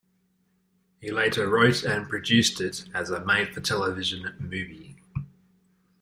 He later wrote and produced it as a made-for-television movie.